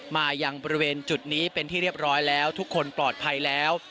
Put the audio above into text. มายังบริเวณจุดนี้เป็นที่เรียบร้อยแล้วทุกคนปลอดภัยแล้ว